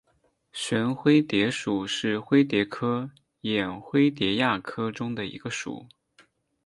旋灰蝶属是灰蝶科眼灰蝶亚科中的一个属。